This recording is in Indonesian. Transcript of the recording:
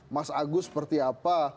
mas agus seperti apa